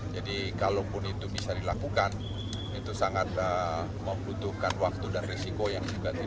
jadi kalaupun itu bisa dilakukan itu sangat membutuhkan waktu dan risiko yang juga tidak rejik